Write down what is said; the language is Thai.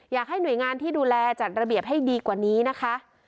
อยากให้หน่วยงานที่ดูแลจัดระเบียบให้ดีกว่านี้นะคะ